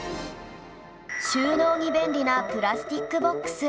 収納に便利なプラスチックボックス